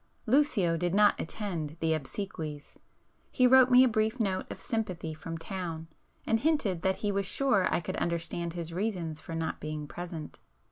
Lucio did not attend the obsequies,—he wrote me a brief note of sympathy from town, and hinted that he was sure I could understand his reasons for not being present.